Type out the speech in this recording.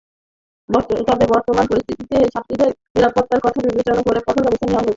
তবে বর্তমান পরিস্থিতিতে ছাত্রীদের নিরাপত্তার কথা বিবেচনা করে কঠোর ব্যবস্থা নেওয়া হয়েছে।